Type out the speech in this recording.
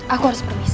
aku harus permisi